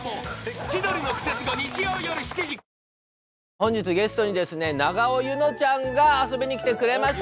本日ゲストに永尾柚乃ちゃんが遊びに来てくれました。